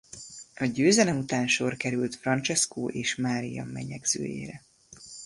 A győzelem után sor került Francesco és Mária menyegzőjére.